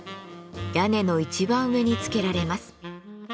屋根の一番上につけられます。